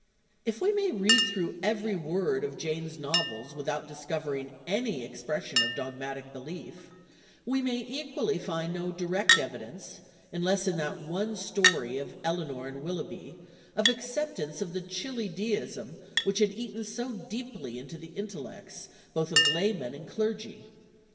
If we may read through every word of Jane's novels without discovering any expression of dogmatic belief, we may equally find no direct evidence, unless in that one story of Elinor and Willoughby, of acceptance of the chilly Deism which had eaten so deeply into the intellects both of laymen and clergy.